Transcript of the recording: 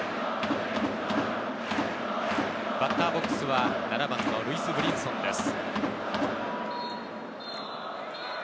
バッターボックスは７番のルイス・ブリンソンです。